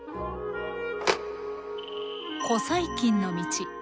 古細菌の道。